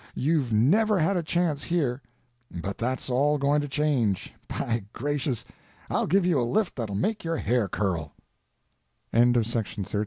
You've never had a chance here, but that's all going to change. By gracious! I'll give you a lift that'll make your hair curl!" AT THE SHRINE OF ST.